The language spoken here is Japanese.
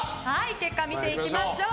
結果、見ていきましょう。